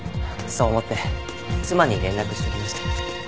そう思って妻に連絡しときました。